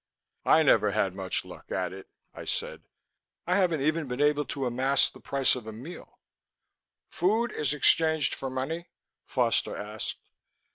"I never had much luck at it," I said. "I haven't even been able to amass the price of a meal." "Food is exchanged for money?" Foster asked.